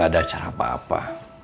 ada acara apa apa